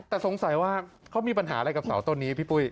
แต่สงสัยว่าเขามีปัญหาอะไรกับเสาต้นนี้พี่ปุ้ย